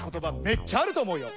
めっちゃあると思うよ。